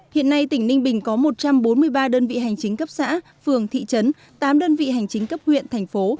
hiện nay tỉnh ninh bình có một trăm bốn mươi ba đơn vị hành chính cấp xã phường thị trấn tám đơn vị hành chính cấp huyện thành phố